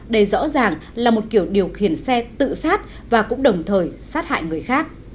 đây rõ ràng là một kiểu điều khiển xe tự sát và cũng đồng thời sát hại người khác